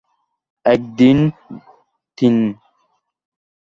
এক, দিন, তিন।